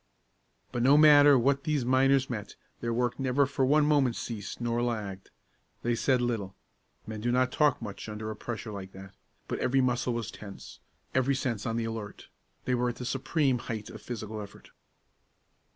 But no matter what these miners met, their work never for one moment ceased nor lagged. They said little; men do not talk much under a pressure like that; but every muscle was tense, every sense on the alert; they were at the supreme height of physical effort.